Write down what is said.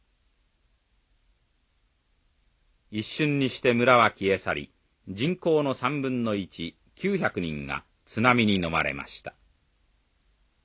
一瞬にして村は消え去り人口の３分の１９００人が津波にのまれました。